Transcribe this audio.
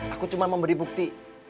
aku cuma mau beri bukti